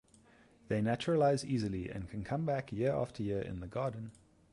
They naturalize easily and can come back year after year in the garden.